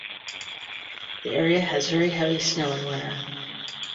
The area has very heavy snow in winter.